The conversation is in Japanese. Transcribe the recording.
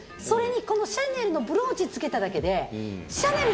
それにこのシャネルのブローチ着けただけで。